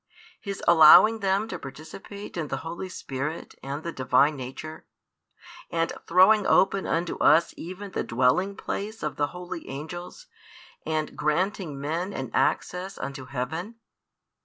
His allowing them to participate in the Holy Spirit an the Divine Nature, and throwing open unto us even the dwelling place of the holy angels, and granting men an access unto heaven?